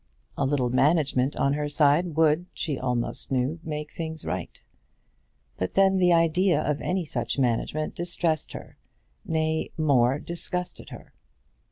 A little management on her side would, she almost knew, make things right. But then the idea of any such management distressed her; nay, more, disgusted her.